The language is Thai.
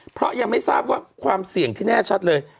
เพราะยังไม่ทราบว่าความเสี่ยงที่แน่ชัดเลย